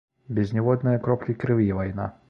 Без ніводнае кроплі крыві вайна!